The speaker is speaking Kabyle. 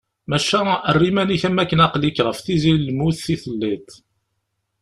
Maca, err iman-ik am akken aqli-k ɣef tizi lmut i telliḍ.